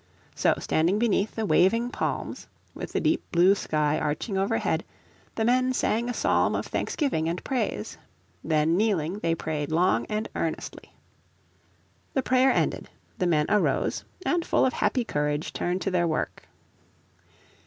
So standing beneath the waving palms, with the deep blue sky arching overhead, the men sang a psalm of thanksgiving and praise. Then kneeling they prayed long and earnestly. The prayer ended, the men arose, and full of happy courage turned to their work.